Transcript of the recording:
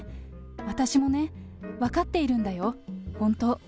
私もね、分かっているんだよ、本当。